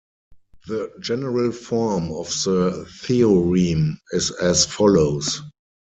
The general form of the theorem is as follows.